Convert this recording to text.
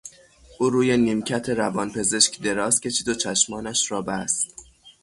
او روی نیمکت روانپزشک دراز کشید و چشمانش را بست.